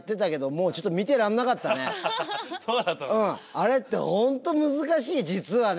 あれって本当難しい実はね。